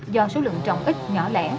do số lượng trồng ít nhỏ lẻ